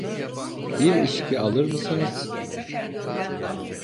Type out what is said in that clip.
Bir içki alır mısınız?